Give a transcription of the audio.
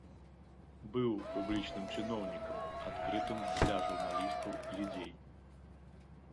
Быў публічным чыноўнікам, адкрытым для журналістаў і людзей.